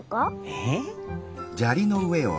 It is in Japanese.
えっ？